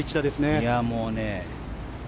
いやもうね。